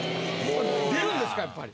出るんですかやっぱり？